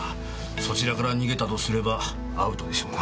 そちらから逃げたとすればアウトでしょうな。